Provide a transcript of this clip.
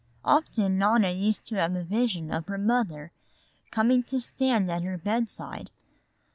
Often Nona used to have a vision of her mother coming to stand at her bedside.